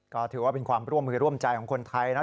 ก็ถือว่าเป็นความร่วมใจของคนไทยนะ